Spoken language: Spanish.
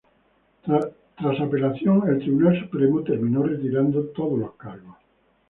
Tras apelación, el Tribunal Supremo terminó retirando todos los cargos.